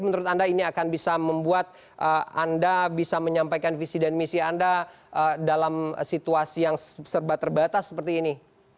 menurut anda ini akan bisa membuat anda bisa menyampaikan visi dan misi anda dalam situasi yang serba terbatas seperti ini